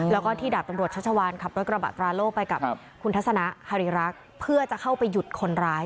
แล้วก็ที่ดาบตำรวจชัชวานขับรถกระบะตราโล่ไปกับคุณทัศนะฮาริรักษ์เพื่อจะเข้าไปหยุดคนร้าย